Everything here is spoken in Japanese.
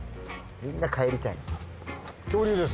みんな帰りたいんだ。